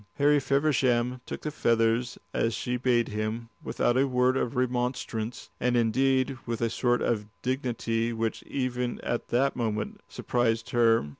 Harry Feversham took the feathers as she bade him, without a word of remonstrance, and indeed with a sort of dignity which even at that moment surprised her.